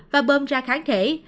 và bơm ra kháng thể